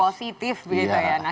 positif begitu ya